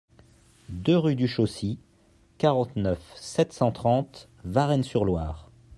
deux rue du Chaussy, quarante-neuf, sept cent trente, Varennes-sur-Loire